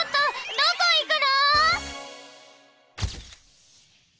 どこいくの！？